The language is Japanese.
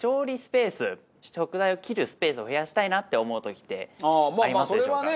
食材を切るスペースを増やしたいなって思う時ってありますでしょうか？